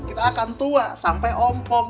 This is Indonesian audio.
kita akan tua sampai om pong